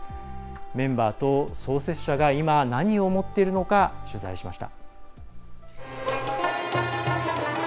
メンバーと創設者が今、何を思っているのか取材しました。